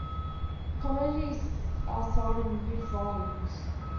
Commodities are sold in huge volumes.